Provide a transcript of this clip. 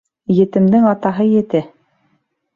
Етемдең атаһы ете.